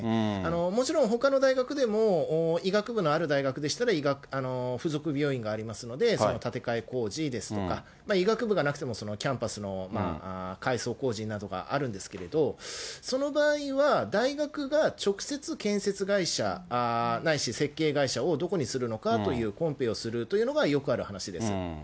もちろん、ほかの大学でも医学部のある大学でしたら、医学附属病院がありますので、その建て替え工事ですとか、医学部がなくても、そのキャンパスの改装工事などがあるんですけど、その場合は大学が直接建設会社ないし設計会社をどこにするのかというコンペをするというのが、よくある話です。